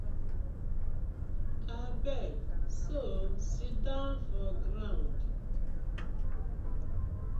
Abeg so sidon for ground.